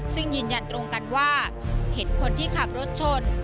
ซึ่งยืนยันตรงกันว่าเห็นคนที่ขับรถชน